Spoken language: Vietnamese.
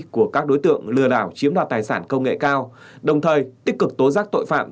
của các đối tượng lừa đảo chiếm đoạt tài sản công nghệ cao đồng thời tích cực tố giác tội phạm